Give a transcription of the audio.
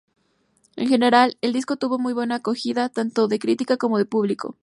En general, el disco tuvo muy buena acogida, tanto de crítica como de público.